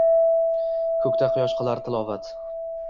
Ko‘kda quyosh qilar tilovat.